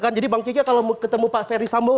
kan jadi bang kiki kalau ketemu pak ferry sambung